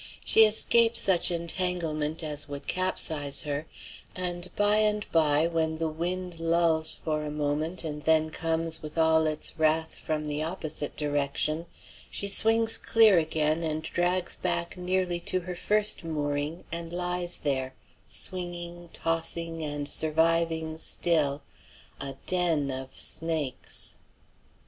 She escapes such entanglement as would capsize her, and by and by, when the wind lulls for a moment and then comes with all its wrath from the opposite direction, she swings clear again and drags back nearly to her first mooring and lies there, swinging, tossing, and surviving still, a den of snakes.